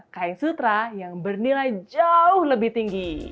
kain sutra yang bernilai jauh lebih tinggi